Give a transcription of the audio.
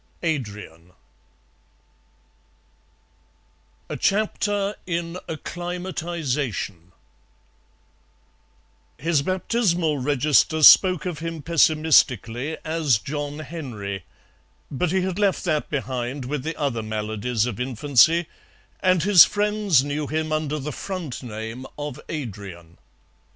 ADRIAN A CHAPTER IN ACCLIMATIZATION His baptismal register spoke of him pessimistically as John Henry, but he had left that behind with the other maladies of infancy, and his friends knew him under the front name of Adrian.